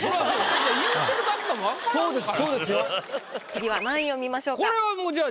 次は何位を見ましょうか？